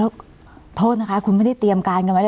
ขอโทษนะคะคุณไม่ได้เตรียมการกันไหม